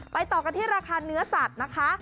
ต่อกันที่ราคาเนื้อสัตว์นะคะ